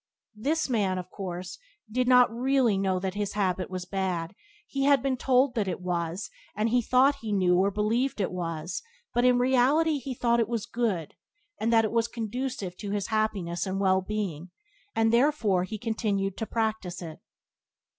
This man, of course, did not really know that his habit was bad. He had been told that it was, and he thought he knew or believed it was, but in reality he thought it was good, that it was conducive to his happiness and well being, and therefore he continue to practice it.